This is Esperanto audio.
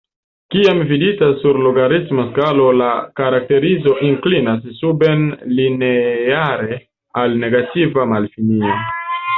Kiam vidita sur logaritma skalo la karakterizo inklinas suben lineare al negativa malfinio.